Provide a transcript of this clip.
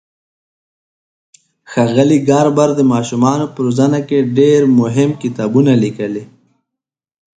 ښاغلي ګاربر د ماشومانو په روزنه کې ډېر مهم کتابونه لیکلي.